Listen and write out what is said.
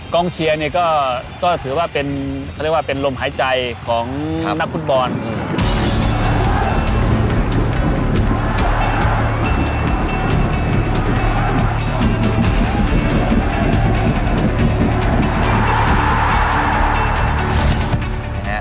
เชียร์เนี่ยก็ถือว่าเป็นเขาเรียกว่าเป็นลมหายใจของนักฟุตบอล